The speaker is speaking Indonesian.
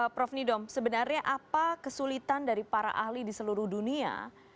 prof nidom sebenarnya apa kesulitan dari para ahli di seluruh dunia